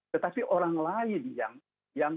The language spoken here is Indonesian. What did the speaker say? tetapi orang lain yang